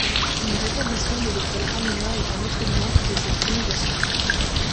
Le rétablissement de l'école Ramona est un autre exemple de cette rénovation.